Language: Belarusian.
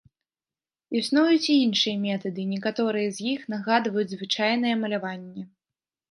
Існуюць і іншыя метады, некаторыя з іх нагадваюць звычайнае маляванне.